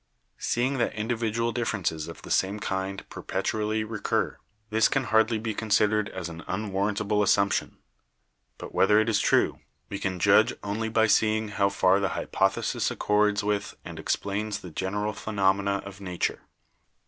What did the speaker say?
Seeing that individual differences of the same kind perpetually recur, this can hardly be con sidered as an unwarrantable assumption. But whether it is true, we can judge only by seeing how far the hypothe 202 BIOLOGY sis accords with and explains the general phenomena of nature.